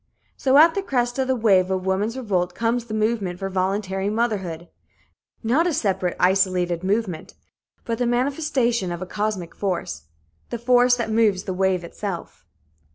So at the crest of the wave of woman's revolt comes the movement for voluntary motherhood not a separate, isolated movement, but the manifestation of a cosmic force the force that moves the wave itself.